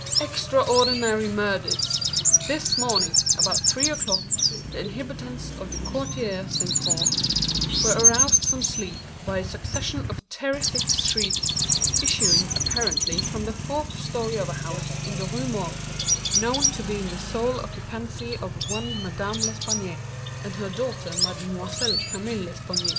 "Extraordinary Murders.—This morning, about three o'clock, the inhabitants of the Quartier St. Roch were aroused from sleep by a succession of terrific shrieks, issuing, apparently, from the fourth story of a house in the Rue Morgue, known to be in the sole occupancy of one Madame L'Espanaye, and her daughter, Mademoiselle Camille L'Espanaye.